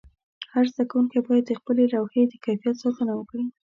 هر زده کوونکی باید د خپلې لوحې د کیفیت ساتنه وکړي.